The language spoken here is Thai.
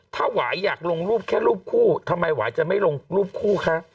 ถ้าหวายอยากลงรูปแค่รูปคู่ทำไมหวายจะไม่ลงรูปคู่คะ